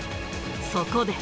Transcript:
そこで。